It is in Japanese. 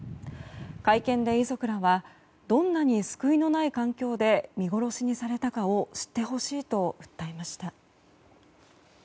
会見で遺族らはどんなに救いのない環境で見殺しにされたかを知ってほしいと訴えました。